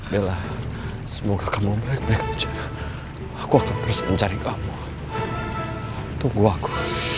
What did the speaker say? bella semoga kamu baik baik aja aku akan terus mencari kamu tunggu aku